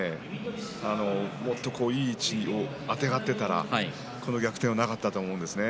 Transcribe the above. もっといい位置をあてがっていたらこの逆転はなかったと思うんですね。